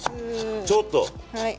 ちょっと。